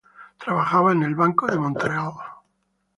Trabajaba en el banco de Montreal.